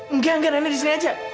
enggak nenek disini aja